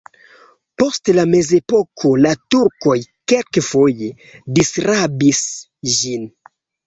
Post la mezepoko la turkoj kelkfoje disrabis ĝin.